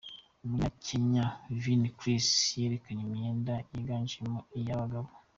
Umunyakenya Vinn Clizz yerekanye imyenda yiganjemo iy’abagabo.